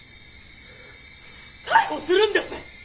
逮捕するんです！